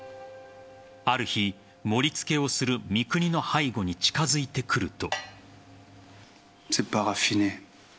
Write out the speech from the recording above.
ある日、盛り付けをする三國の背後に近づいてくると。